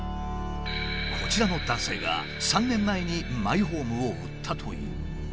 こちらの男性が３年前にマイホームを売ったという。